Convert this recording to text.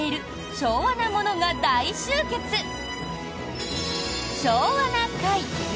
「昭和な会」！